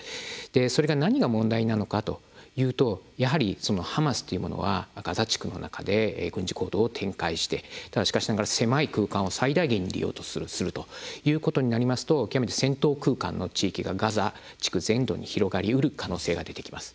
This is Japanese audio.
それが何が問題なのかというとやはりハマスというものはガザ地区の中で軍事行動を展開してしかしながら狭い空間を最大限に利用するということになりますと極めて戦闘空間の地域がガザ地区全土に広がりうる可能性が出てきます。